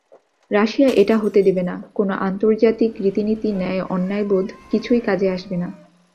Russia এটা হতে দেবে না, কোনো আন্তর্জাতিক রীতিনীতি, ন্যায়-অন্যায়বোধ—কিছুই কাজে আসবে না।